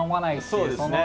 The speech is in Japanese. そうですね。